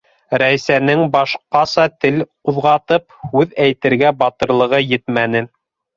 Рәйсәнең башҡаса тел ҡуҙғатып, һүҙ әйтергә батырлығы етмәне.